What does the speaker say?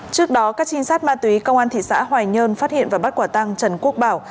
trước đó các trinh sát ma túy công an thị xã hoài nhơn phát hiện và bắt quả tăng trần quốc bảo